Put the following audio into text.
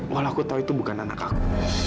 wah aku tahu itu bukan anak aku